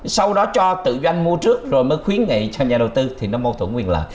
sau đó cho tự doanh mua trước rồi mới khuyến nghị sang nhà đầu tư thì nó mâu thuẫn quyền lợi